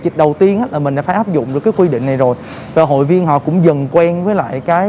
thì đầu tiên là mình đã phải áp dụng được cái quy định này rồi và hội viên họ cũng dần quen với lại cái